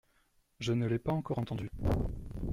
Je ne l’ai pas encore entendue.